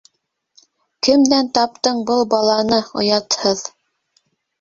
Кемдән таптың был баланы, оятһыҙ!